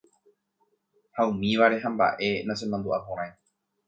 ha umívare ha mba'e nachemandu'aporãi.